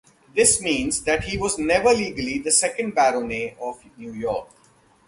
This means that he was never legally the second Baronet of New York.